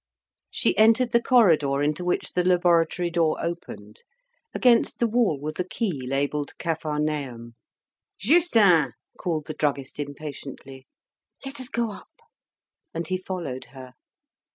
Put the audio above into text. She entered the corridor into which the laboratory door opened. Against the wall was a key labelled Capharnaum. "Justin!" called the druggist impatiently. "Let us go up." And he followed her.